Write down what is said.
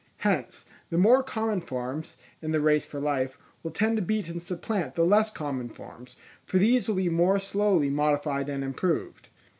Hence, the more common forms, in the race for life, will tend to beat and supplant the less common forms, for these will be more slowly modified and improved.